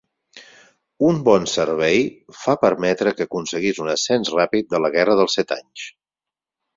Un bon servei fa permetre que aconseguís un ascens ràpid de la Guerra dels set anys.